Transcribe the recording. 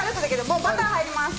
もうバター入ります。